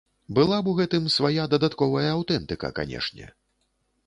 Была б у гэтым свая дадатковая аўтэнтыка, канешне.